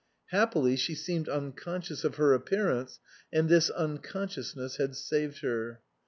Happily she seemed unconscious of her appearance, and this unconsciousness had saved her.